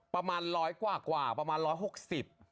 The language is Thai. ประมาณร้อยกว่ากว่าประมาณร้อยหกสิบ